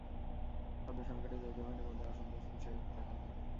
খাদ্য-সংকটে যৌথবাহিনীর মধ্যে অসন্তোষ ফুঁসে উঠতে থাকে।